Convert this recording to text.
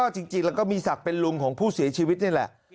จริงแล้วก็มีศักดิ์เป็นลุงของผู้เสียชีวิตนี่แหละ